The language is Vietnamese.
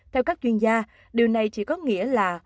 theo các chuyên gia điều này chỉ có nghĩa là